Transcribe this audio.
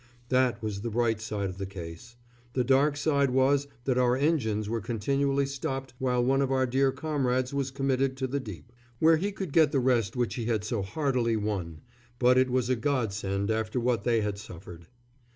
That was the bright side of the case; the dark side was that our engines were continually stopped while one of our dear comrades was committed to the deep, where he could get the rest which he had so hardly won but it was a godsend after what they had suffered.